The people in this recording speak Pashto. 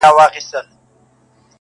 چې بیا یې زمونږ په ذهن کې